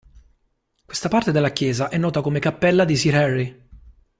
Questa parte della chiesa è nota come cappella di Sir Harry.